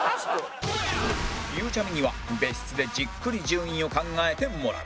ゆうちゃみには別室でじっくり順位を考えてもらう